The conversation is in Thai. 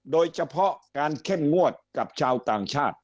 โดยเฉพาะการเข้มงวดกับชาวต่างชาติ